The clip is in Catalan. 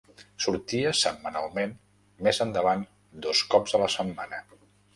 Sortia setmanalment, més endavant dos cops a la setmana.